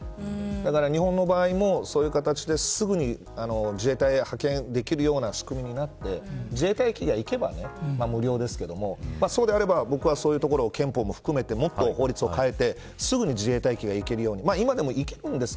だから日本の場合もそういう形ですぐに自衛隊を派遣できるような仕組みになって自衛隊機が行けば無料ですけれどもそうであれば、僕はそういうところは憲法も含めてもっと法律を変えてすぐに自衛隊機がいけるように。